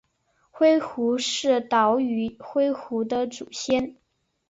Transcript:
灰狐是岛屿灰狐的祖先。